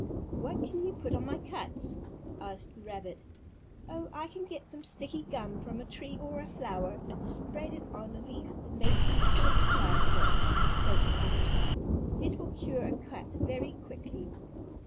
"What can you put on my cuts?" asked the rabbit. "Oh, I can get some sticky gum from a tree or a flower and spread it on a leaf and make some court plaster," spoke the butterfly. "It will cure a cut very quickly."